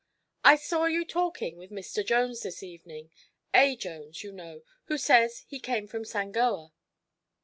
"I saw you talking with Mr. Jones this evening A. Jones, you know, who says he came from Sangoa."